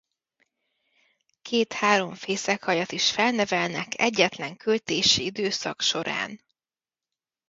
Két-három fészekaljat is felnevelnek egyetlen költési időszak során.